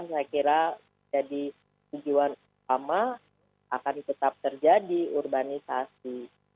saya kira jadi tujuan utama akan tetap terjadi urbanisasi